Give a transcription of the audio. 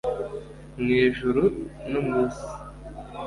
mu ijuru no mu isi